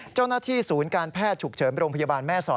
เจ้าหน้าที่ศูนย์การแพทย์ฉุกเฉินโรงพยาบาลแม่สอด